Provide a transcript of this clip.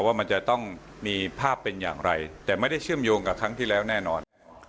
ว่ามันจะต้องมีภาพเป็นอย่างไรแต่ไม่ได้เชื่อมโยงกับครั้งที่แล้วแน่นอน